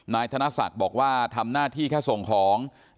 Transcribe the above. ธนศักดิ์บอกว่าทำหน้าที่แค่ส่งของ